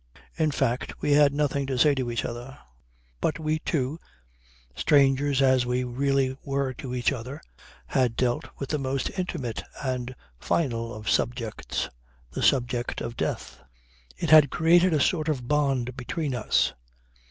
In fact we had nothing to say to each other; but we two, strangers as we really were to each other, had dealt with the most intimate and final of subjects, the subject of death. It had created a sort of bond between us.